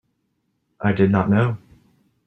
I did not know.